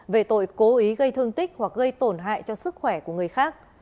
về tội cố ý gây thương tích hoặc gây tổn hại cho sức khỏe của người khác